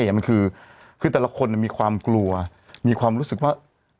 อย่างมันคือแต่ละคนมีความกลัวมีความรู้สึกว่า